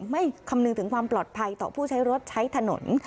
คำนึงถึงความปลอดภัยต่อผู้ใช้รถใช้ถนน